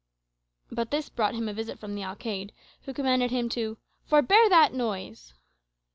But this brought him a visit from the alcayde, who commanded him to "forbear that noise."